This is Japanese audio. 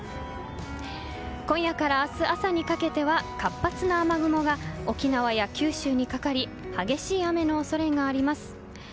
今夜から明日朝にかけては活発な雨雲が沖縄や九州にかかり激しい雨の恐れがあります。